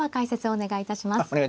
お願いいたします。